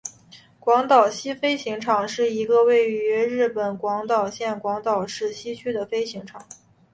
广岛西飞行场是一个位于日本广岛县广岛市西区的飞行场。